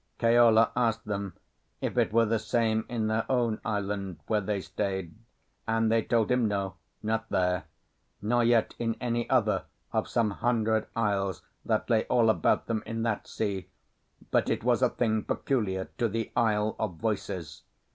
Keola asked them if it were the same in their own island where they stayed, and they told him no, not there; nor yet in any other of some hundred isles that lay all about them in that sea; but it was a thing peculiar to the Isle of Voices.